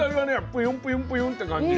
プユンプユンプユンって感じ。